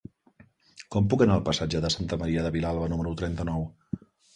Com puc anar al passatge de Santa Maria de Vilalba número trenta-nou?